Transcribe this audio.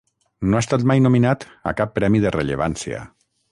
No ha estat mai nominat a cap premi de rellevància.